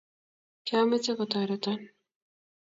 kiameche kotoreton.